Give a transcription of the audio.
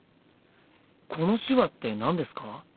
この手話って何ですか？